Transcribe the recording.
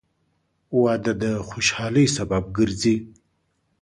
• واده د خوشحالۍ سبب ګرځي.